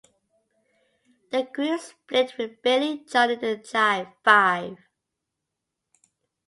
The group split, with Bailey joining the Jive Five.